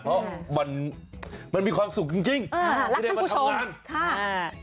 เพราะวันมันมีความสุขจริงจริงเออรักท่านผู้ชมที่ได้มาทำงาน